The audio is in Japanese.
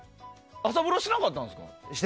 朝風呂しなかったんですか？